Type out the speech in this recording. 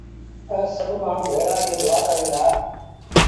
ائيٚݩ سڀ مآڻهوٚٚݩ ڀيڙآ ٿئي دُئآ ڪريݩ دآ